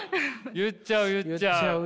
言っちゃう言っちゃう。